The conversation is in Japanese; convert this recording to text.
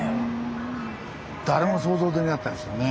誰も想像できなかったですよね。